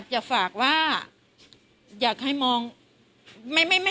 กินโทษส่องแล้วอย่างนี้ก็ได้